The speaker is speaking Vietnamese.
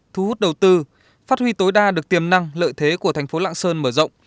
thu hút đầu tư phát huy tối đa được tiềm năng lợi thế của thành phố lạng sơn mở rộng